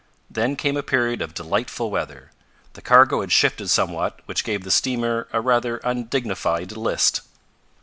Then came a period of delightful weather. The cargo had shifted somewhat, which gave the steamer a rather undignified list.